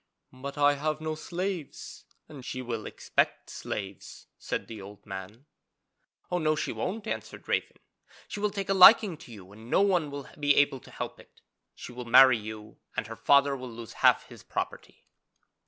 'But I have no slaves, and she will expect slaves,' said the old man. 'Oh no, she won't,' answered Raven, 'she will take a liking to you and no one will be able to help it. She will marry you, and her father will lose half his property.'